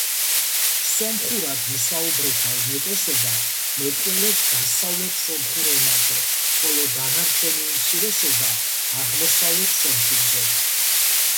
სომხურად მოსაუბრეთა უმეტესობა მეტყველებს დასავლეთ სომხურ ენაზე, ხოლო დანარჩენი უმცირესობა აღმოსავლეთ სომხურზე.